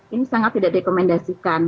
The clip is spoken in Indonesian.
ini sangat tidak dikomendasikan